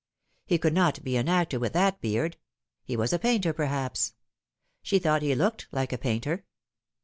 He could not be an actor with that beard. He was a painter, perhaps. She thought he looked like a painter.